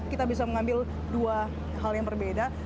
kita bisa mengambil dua hal yang berbeda